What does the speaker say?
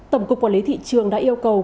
tổng cục quản lý thị trường đã yêu cầu